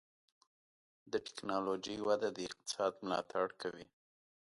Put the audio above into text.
د ټکنالوجۍ وده د اقتصاد ملاتړ کوي.